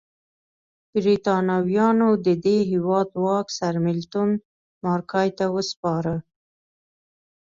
برېټانویانو د دې هېواد واک سرمیلټن مارګای ته وسپاره.